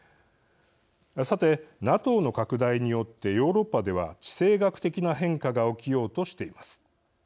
さて、ＮＡＴＯの拡大によってヨーロッパでは地政学的な変化が起きようとしています。